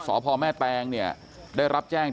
สพแม่แตงเนี่ยได้รับแจ้ง